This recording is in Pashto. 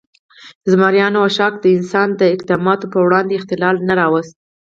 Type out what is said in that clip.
زمریانو او شارک د انسان د اقداماتو پر وړاندې اختلال نه راوست.